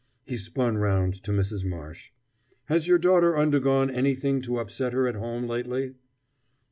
He spun round to Mrs. Marsh: "Has your daughter undergone anything to upset her at home lately?"